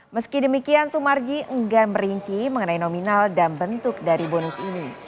meski demikian sumarji enggan merinci mengenai nominal dan bentuk dari bonus ini